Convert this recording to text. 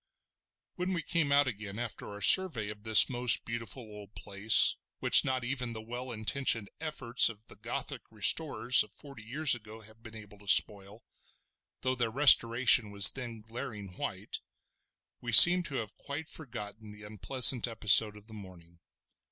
When we came out again after our survey of this most beautiful old place which not even the well intentioned efforts of the Gothic restorers of forty years ago have been able to spoil—though their restoration was then glaring white—we seemed to have quite forgotten the unpleasant episode of the morning.